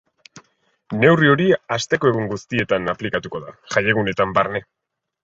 Neurri hori asteko egun guztietan aplikatuko da, jaiegunetan barne.